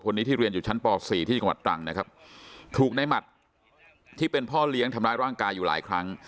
ที่เรียนอยู่ชั้นป๔ที่จังหวัดตรังนะครับถูกในหมัดที่เป็นพ่อเลี้ยงทำร้ายร่างกายอยู่หลายครั้ง